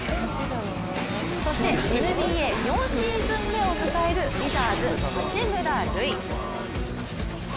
そして、ＮＢＡ４シーズン目を迎えるウィザーズ・八村塁。